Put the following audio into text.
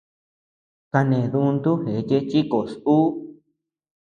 Kané düntuu jecheé chi koʼos ú.